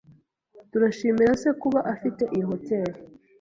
Turashimira se kuba afite iyi hoteri.